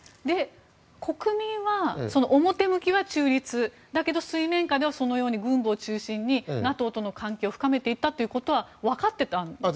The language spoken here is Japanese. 国民は表向きは中立だけど水面下では軍部を中心にＮＡＴＯとの関係を深めていったということはわかっていたんですか。